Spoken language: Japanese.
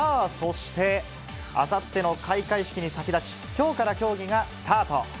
さあそして、あさっての開会式に先立ち、きょうから競技がスタート。